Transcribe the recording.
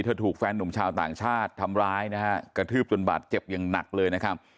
ถูกแฟนหนุ่มชาวต่างชาติทำร้ายนะฮะกระทืบจนบาดเจ็บอย่างหนักเลยนะครับ